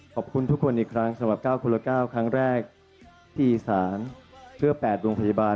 ขอบคุณทุกคนอีกครั้งสำหรับ๙คนละ๙ครั้งแรกที่อีสานเพื่อ๘โรงพยาบาล